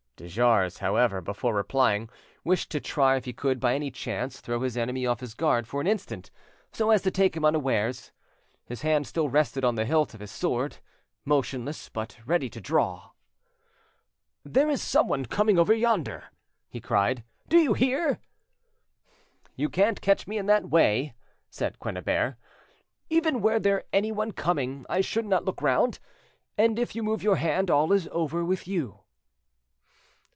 De Jars, however, before replying, wished to try if he could by any chance throw his enemy off his guard for an instant, so as to take him unawares. His hand still rested on the hilt of his sword, motionless, but ready to draw. "There is someone coming over yonder," he cried,—"do you hear?" "You can't catch me in that way," said Quennebert. "Even were there anyone coming, I should not look round, and if you move your hand all is over with you."